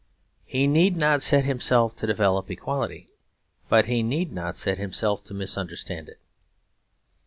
He need not set himself to develop equality, but he need not set himself to misunderstand it.